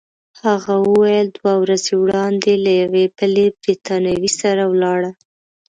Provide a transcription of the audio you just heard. هغه وویل: دوه ورځې وړاندي له یوې بلې بریتانوۍ سره ولاړه.